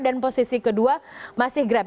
dan posisi kedua masih grab